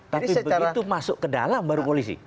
tapi begitu masuk ke dalam baru polisi